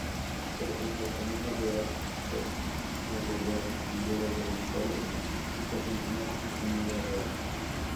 Por ejemplo "Camino Real del Rebollar", sendero de índole internacional y Cañada Real.